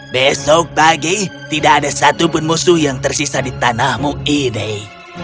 besok pagi tidak ada satupun musuh yang tersisa di tanahmu ini